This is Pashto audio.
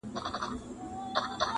دلته ډېر اغېز لري.